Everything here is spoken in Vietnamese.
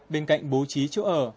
bên cạnh bố trí chỗ ở